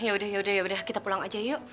yaudah yaudah yaudah kita pulang aja yuk